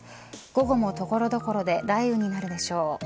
午後も所々で雷雨になるでしょう。